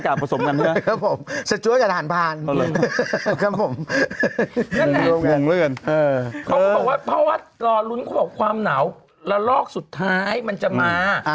เขาบอกว่าว่าความเหนาเลลอกสุดท้ายมันจะมา